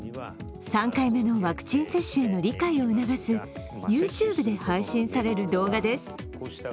３回目のワクチン接種への理解を促すＹｏｕＴｕｂｅで配信される動画です